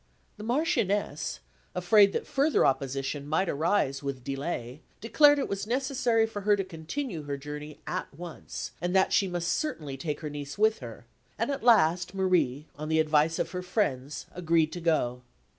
The Marchioness, afraid that further opposition might arise with delay, declared it was necessary for her to continue her journey at once, and that she must certainly take her niece with her; and at last, Marie, on the advice of her friends, agreed to go.